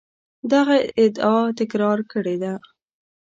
دغه ادعا تکرار کړې ده.